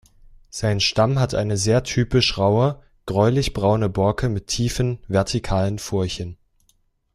Sein Stamm hat eine sehr typische raue, gräulich-braune Borke mit tiefen, vertikalen Furchen.